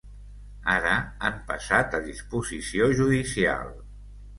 Ara han passat a disposició judicial.